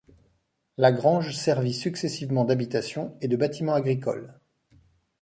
La grange servit successivement d'habitation et de bâtiment agricole.